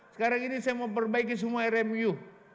sekarang ini saya mau perbaiki semua remu